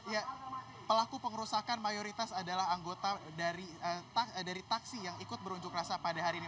ya pelaku pengerusakan mayoritas adalah anggota dari taksi yang ikut berunjuk rasa pada hari ini